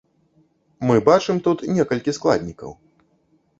Мы бачым тут некалькі складнікаў.